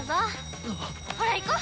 ほら行こう！